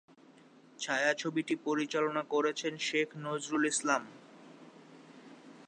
ছায়াছবিটি পরিচালনা করেছেন শেখ নজরুল ইসলাম।